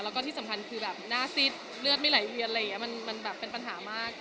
แล้วก็ที่สำคัญคือแบบหน้าซิดเลือดไม่ไหลเวียนอะไรอย่างนี้มันแบบเป็นปัญหามาก